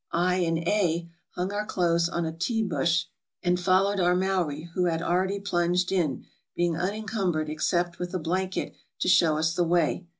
I and A hung our clothes on a Ti bush and followed our Maori, who had already plunged in, being unencumbered, except with a blanket, to show us the way.